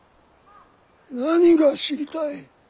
何が知りたい？